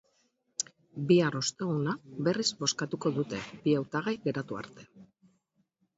Bihar, osteguna, berriz bozkatuko dute, bi hautagai geratu arte.